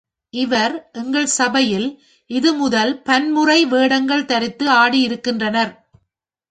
இவர் எங்கள் சபையில், இது முதல் பன்முறை வேடங்கள் தரித்து ஆடியிருக்கின்றனர்.